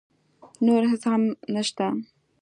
نور هېڅ هم نه شته.